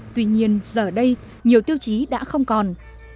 tuy nhiên giờ đây nhiều tiêu chí đã không còn